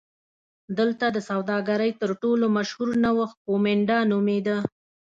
دلته د سوداګرۍ تر ټولو مشهور نوښت کومېنډا نومېده